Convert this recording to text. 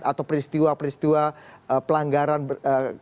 atau peristiwa peristiwa pelanggaran